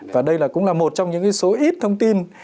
và đây cũng là một trong những số ít thông tin